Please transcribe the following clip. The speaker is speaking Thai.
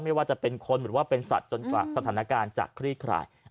ไม่ว่าจะเป็นคนหรือว่าเป็นสัตว์จนกว่าสถานการณ์จะคลี่คลาย